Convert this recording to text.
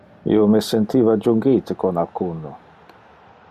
Io me sentiva jungite con alcuno.